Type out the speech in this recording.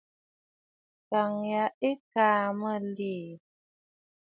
Ǹgɔ̀ʼɔ̀ ya ɨ̀ kà mə aa nlɨ.